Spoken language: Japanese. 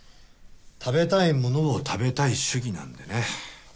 食べたいものを食べたい主義なんでね。